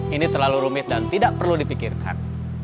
ini terlalu rumit dan tidak perlu dipikirkan